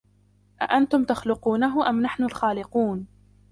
أَأَنْتُمْ تَخْلُقُونَهُ أَمْ نَحْنُ الْخَالِقُونَ